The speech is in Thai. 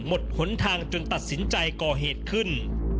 หนทางจนตัดสินใจก่อเหตุขึ้น